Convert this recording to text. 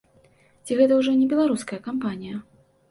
Ці гэта ўжо не беларуская кампанія?